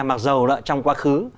mặc dù trong quá khứ